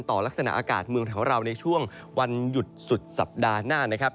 ลักษณะอากาศเมืองของเราในช่วงวันหยุดสุดสัปดาห์หน้านะครับ